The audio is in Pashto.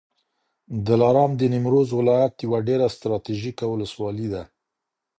دلارام د نیمروز ولایت یوه ډېره ستراتیژیکه ولسوالي ده